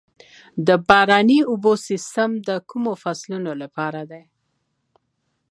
د باراني اوبو سیستم د کومو فصلونو لپاره دی؟